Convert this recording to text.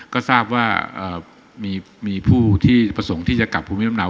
ก็ทราบว่ามีผู้ที่ประสงค์ที่จะกลับภูมิลำเนา